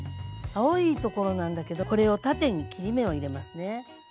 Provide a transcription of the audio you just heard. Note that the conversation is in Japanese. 青いところなんだけどこれを縦に切り目を入れますね。